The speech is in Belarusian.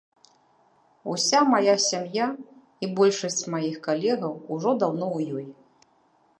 Уся мая сям'я і большасць маіх калегаў ўжо даўно ў ёй.